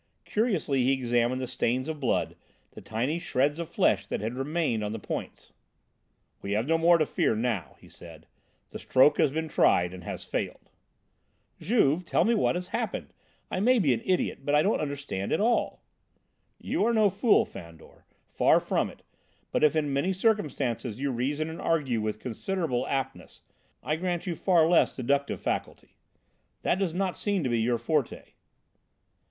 Curiously he examined the stains of blood, the tiny shreds of flesh that had remained on the points. "We have no more to fear now," he said, "the stroke has been tried and has failed." "Juve! tell me what has just happened? I may be an idiot, but I don't understand at all!" "You are no fool, Fandor; far from it, but if in many circumstances you reason and argue with considerable aptness, I grant you far less deductive faculty. That does not seem to be your forte."